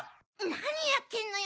なにやってんのよ